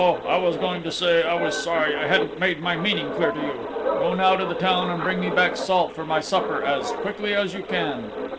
I was going to say I was sorry I hadn't made my meaning clear to you. Go now to the town and bring me back salt for my supper as quickly as you can."